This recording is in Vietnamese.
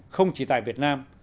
không chỉ tại việt nam